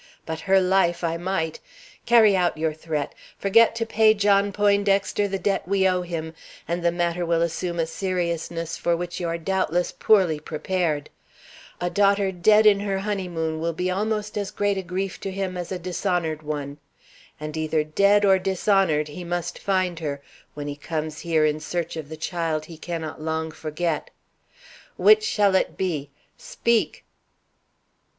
But her life I might. Carry out your threat; forget to pay John Poindexter the debt we owe him, and the matter will assume a seriousness for which you are doubtless poorly prepared. A daughter dead in her honeymoon will be almost as great a grief to him as a dishonored one. And either dead or dishonored he must find her, when he comes here in search of the child he cannot long forget. Which shall it be? Speak!"